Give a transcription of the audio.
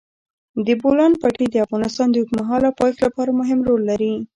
د بولان پټي د افغانستان د اوږدمهاله پایښت لپاره مهم رول لري.